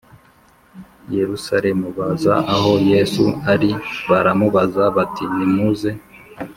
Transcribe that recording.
Yerusalemu baza aho Yesu ari baramubaza bati nimuze